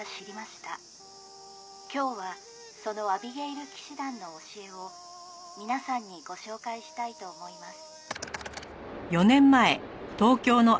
「今日はそのアビゲイル騎士団の教えを皆さんにご紹介したいと思います」